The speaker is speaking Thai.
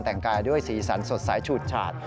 แต่งกายกันสีสันสดสายฉูดฉาด